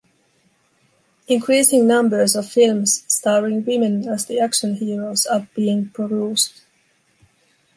Increasing numbers of films starring women as the action heroes are being produced.